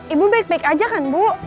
ibu baik baik aja kan bu